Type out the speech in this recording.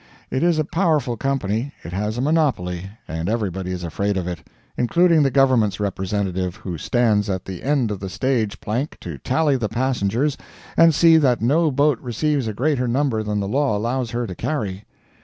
It is a powerful company, it has a monopoly, and everybody is afraid of it including the government's representative, who stands at the end of the stage plank to tally the passengers and see that no boat receives a greater number than the law allows her to carry.